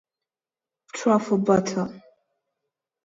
Truffle Butter